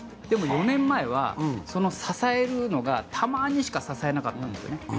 でも４年前は、その支えるのがたまにしか支えなかったんですよね。